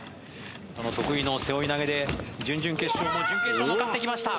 得意の背負い投げで準々決勝も準決勝も勝ってきました。